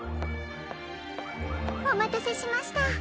おまたせしました。